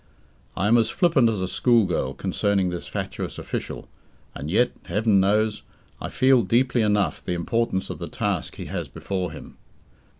I am as flippant as a school girl concerning this fatuous official, and yet Heaven knows I feel deeply enough the importance of the task he has before him.